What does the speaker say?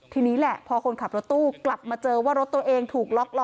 ทีนี้แหละพอคนขับรถตู้กลับมาเจอว่ารถตัวเองถูกล็อกล้อ